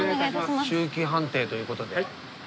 臭気判定ということで。